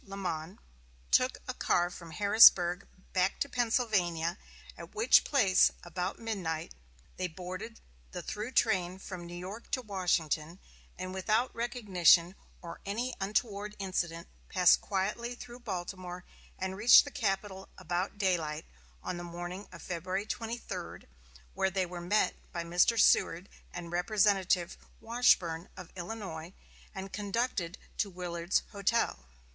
Lamon, took a car from Harrisburg back to Philadelphia, at which place, about midnight, they boarded the through train from New York to Washington, and without recognition or any untoward incident passed quietly through Baltimore, and reached the capital about daylight on the morning of February 23, where they were met by Mr. Seward and Representative Washburne of Illinois, and conducted to Willard's Hotel.